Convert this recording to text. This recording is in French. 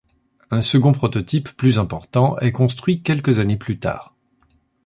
Un second prototype plus important est construit quelques années plus tard.